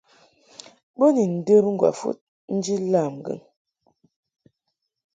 Bo ni ndəm ŋgwafɨd nji lam ŋgɨŋ.